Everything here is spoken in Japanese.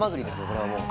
これはもう。